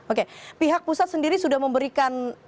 oke pihak pusat sendiri sudah memberikan